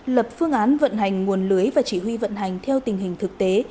lập phương án vận hành nguồn lưới và chỉ huy vận hành theo tình hình thực tế